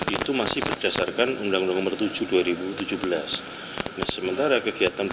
itu masih berdasarkan undang undang nomor tujuh dua ribu tujuh belas